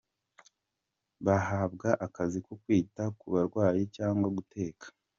bahabwa akazi ko kwita ku barwayi cyangwa guteka.